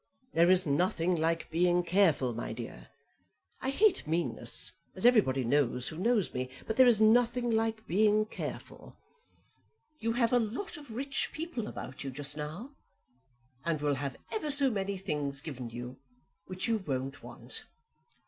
There is nothing like being careful, my dear. I hate meanness, as everybody knows who knows me; but there is nothing like being careful. You have a lot of rich people about you just now, and will have ever so many things given you which you won't want.